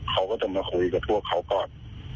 เขาจะมาคุยกับถั่วเค้าก่อน